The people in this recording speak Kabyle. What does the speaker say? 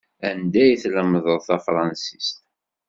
Anda i tlemdeḍ tafransist?